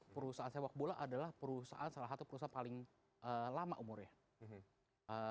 perusahaan sepak bola adalah perusahaan salah satu perusahaan paling lama umurnya